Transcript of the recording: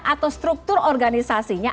atau struktur organisasinya